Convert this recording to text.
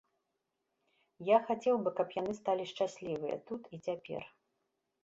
Я хацеў бы, каб яны сталі шчаслівыя тут і цяпер.